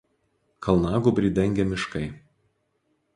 Kalnagūbrį dengia miškai.